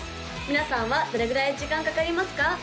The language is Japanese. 皆さんはどれぐらい時間かかりますか？